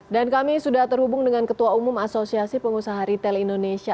dan kami sudah terhubung dengan ketua umum asosiasi pengusaha retail indonesia